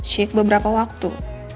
shake beberapa waktu